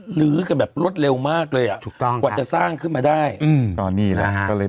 หรือกันแบบรวดเร็วมากเลยอ่ะถูกต้องกว่าจะสร้างขึ้นมาได้อืมตอนนี้แหละก็เลย